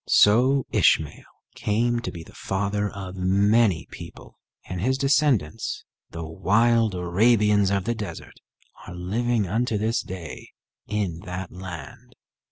So Ishmael came to be the father of many people, and his descendants, the wild Arabians of the desert, are living unto this day in that land.